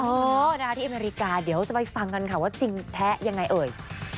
เออนะคะที่อเมริกาเดี๋ยวจะไปฟังกันค่ะว่าจริงแท้ยังไงเอ่ย